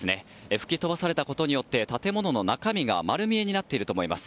吹き飛ばされたことによって建物の中身が丸見えになっていると思います。